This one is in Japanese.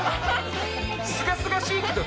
すがすがしいけどね。